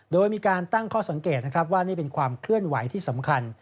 โดยมีการตั้งข้อสังเกตนะครับว่านี่เป็นความเคลื่อนไหวที่สำคัญ